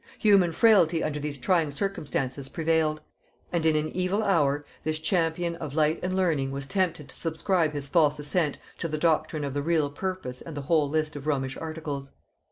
Human frailty under these trying circumstances prevailed; and in an evil hour this champion of light and learning was tempted to subscribe his false assent to the doctrine of the real presence and the whole list of Romish articles.